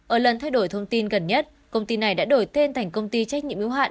ở lần thay đổi thông tin gần nhất công ty này đã đổi tên thành công ty trách nhiệm yếu hạn